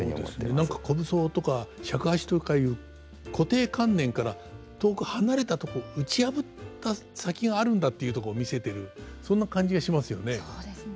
何か虚無僧とか尺八とかいう固定観念から遠く離れたとこ打ち破った先があるんだっていうとこ見せてるそんな感じがしますよね。